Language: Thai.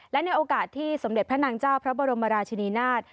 และในโอกาสที่สมเด็จพระนางเจ้าพระบรมราชินีนาฏ